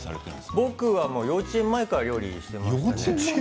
僕は幼稚園前から料理をしていました。